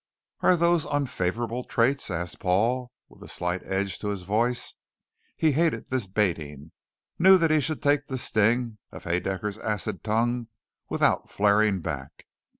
"Are those unfavorable traits?" asked Paul with a slight edge to his voice. He hated this baiting; knew that he should take the sting of Haedaecker's acid tongue without flaring back.